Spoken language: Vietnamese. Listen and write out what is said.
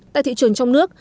tại thị trường trong nước